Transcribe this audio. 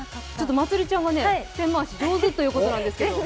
まつりちゃんはペン回し上手ということですけれど。